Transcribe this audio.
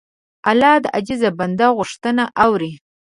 الله د عاجز بنده غوښتنه اوري.